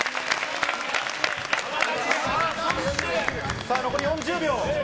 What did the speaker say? さあ、そして、残り４０秒。